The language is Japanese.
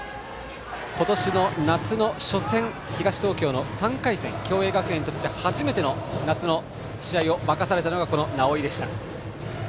今年の夏の初戦東東京の３回戦共栄学園にとって初めての夏の試合を任されたのが直井でした。